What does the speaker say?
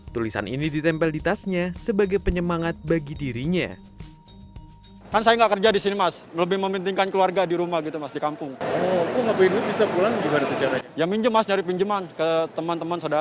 tulisan ini ditempel di tasnya sebagai penyemangat bagi dirinya